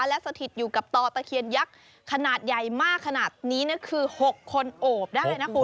และสถิตอยู่กับต่อตะเคียนยักษ์ขนาดใหญ่มากขนาดนี้คือ๖คนโอบได้นะคุณ